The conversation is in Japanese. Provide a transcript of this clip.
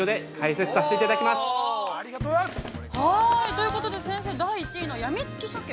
◆ということで、先生、第１位のやみつきシャケ。